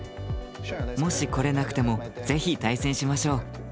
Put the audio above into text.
もし来れなくてもぜひ対戦しましょう。